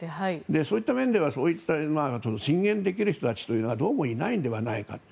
そういった面では進言できる人たちというのはどうもいないのではないか。